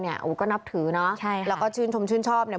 โอ้โหก็นับถือเนอะใช่ค่ะแล้วก็ชื่นชมชื่นชอบเนี่ย